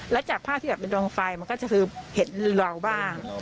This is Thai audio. แล้วจากภาพที่แบบเป็นดวงไฟมันก็จะคือเห็นเราบ้าง